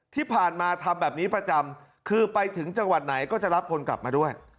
ที่ผ่านมาทำแบบนี้ประจำคือไปถึงจังหวัดไหนก็จะรับคนกลับมาด้วย